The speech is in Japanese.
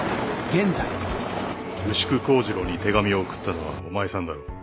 牛久幸次郎に手紙を送ったのはお前さんだろ？